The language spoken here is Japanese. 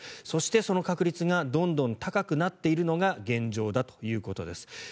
そして、その確率がどんどん高くなっているのが現状だということです。